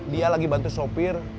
dia lagi bantu sopir